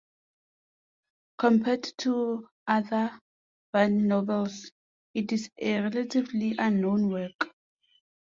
Compared to other Verne novels, it is a relatively unknown work.